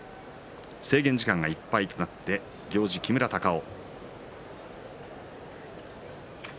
制限時間がいっぱいとなって行司、木村隆男。